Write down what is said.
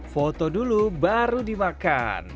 foto dulu baru dimakan